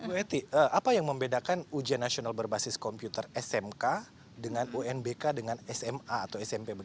bu eti apa yang membedakan ujian nasional berbasis komputer smk dengan unbk dengan sma atau smp